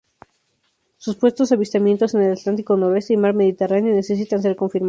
Supuestos avistamientos en el Atlántico noreste y mar Mediterráneo necesitan ser confirmados.